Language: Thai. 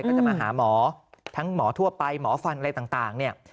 ก็จะมาหาหมอทั้งหมอทั่วไปหมอฟันอะไรต่างเนี่ย